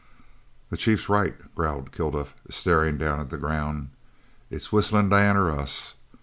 "The chief's right," growled Kilduff, staring down at the ground. "It's Whistlin' Dan or us.